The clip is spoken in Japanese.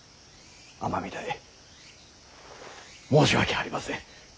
尼御台申し訳ありません。